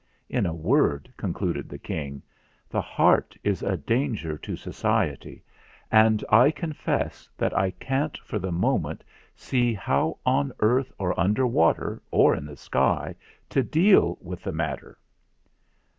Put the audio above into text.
"In a word," concluded the King, "the Heart is a danger to Society, and I confess that I can't for the moment see how on earth, or under water, or in sky, to deal with the mat ter."